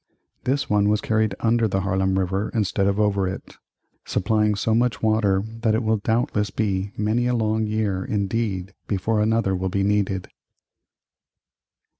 This one was carried under the Harlem River instead of over it, supplying so much water that it will doubtless be many a long year indeed before another will be needed.